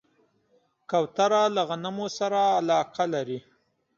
کوتره له غنمو سره علاقه لري.